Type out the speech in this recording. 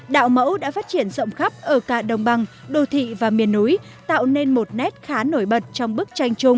đạo mẫu đã phát triển rộng khắp ở cả đồng bằng đô thị và miền núi tạo nên một nét khá nổi bật trong bức tranh chung